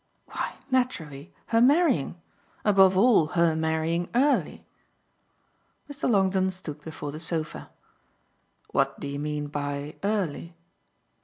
"Why naturally her marrying. Above all her marrying early." Mr. Longdon stood before the sofa. "What do you mean by early?"